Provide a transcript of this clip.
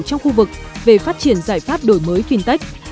trong khu vực về phát triển giải pháp đổi mới fintech